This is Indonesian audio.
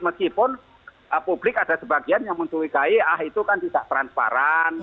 meskipun publik ada sebagian yang mencurigai ah itu kan tidak transparan